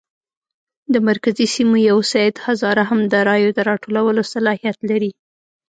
د مرکزي سیمو یو سید هزاره هم د رایو د راټولولو صلاحیت لري.